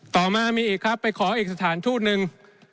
ต่อมามีอีกครับไปขออีกสถานทูตหนึ่ง